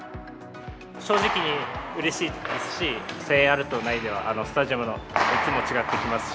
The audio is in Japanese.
正直、うれしいですし、声援あるとないでは、スタジアムの熱も違ってきますし。